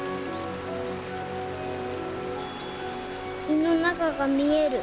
胃の中が見える。